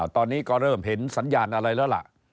ตอนนี้ก็เริ่มเห็นสัญญาณอะไรแล้วล่ะ